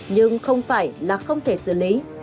nhưng không phải là không thể xử lý